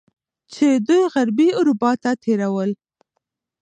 چې دوی غربي اروپا ته تیرول.